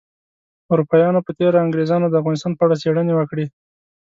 اروپایانو په تیره انګریزانو د افغانستان په اړه څیړنې وکړې